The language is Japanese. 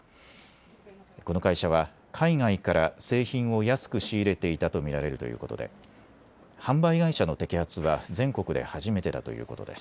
この会社は海外から製品を安く仕入れていたと見られるということで販売会社の摘発は全国で初めてだということです。